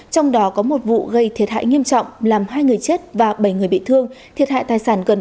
trong đó có một vụ gây thiệt hại nghiêm trọng làm hai người chết và bảy người bị thương thiệt hại tài sản gần ba trăm linh triệu đồng